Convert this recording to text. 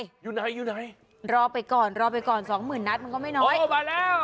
อยู่ไหนอยู่ไหนรอไปก่อนรอไปก่อนสองหมื่นนัดมันก็ไม่น้อยโอ้มาแล้ว